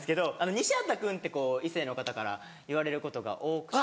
西畑君って異性の方から言われることが多くて。